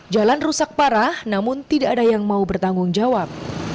jalan rusak parah namun tidak ada yang mau bertanggung jawab